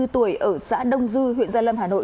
năm mươi bốn tuổi ở xã đông dư huyện gia lâm hà nội